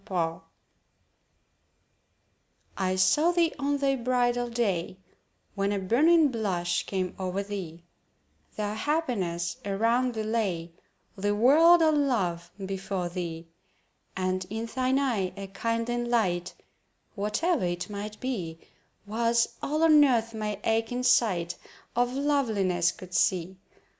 SONG I saw thee on thy bridal day— When a burning blush came o'er thee, Though happiness around thee lay, The world all love before thee: And in thine eye a kindling light (Whatever it might be) Was all on Earth my aching sight Of Loveliness could see.